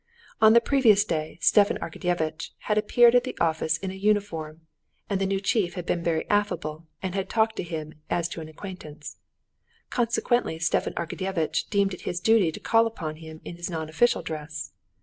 On the previous day Stepan Arkadyevitch had appeared at the office in a uniform, and the new chief had been very affable and had talked to him as to an acquaintance. Consequently Stepan Arkadyevitch deemed it his duty to call upon him in his non official dress.